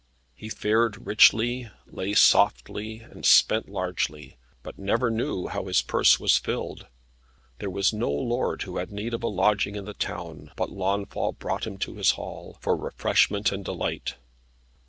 He fared richly, lay softly, and spent largely, but never knew how his purse was filled. There was no lord who had need of a lodging in the town, but Launfal brought him to his hall, for refreshment and delight.